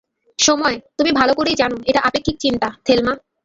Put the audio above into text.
সময়, তুমি ভালো করেই জানো এটা আপেক্ষিক চিন্তা, থেলমা।